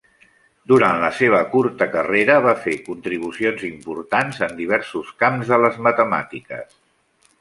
Durant la seva curta carrera va fer contribucions importants en diversos camps de les matemàtiques.